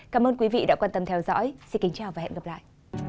cảm ơn quý vị đã quan tâm theo dõi xin kính chào và hẹn gặp lại